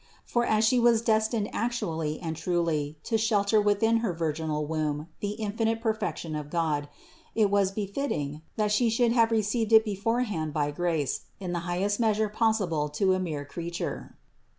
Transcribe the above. For as She was destined actually and truly to shelter within Her virginal womb the infinite perfection of God, it was befitting, that She should have received it beforehand by grace in the highest measure possible to a mere creature.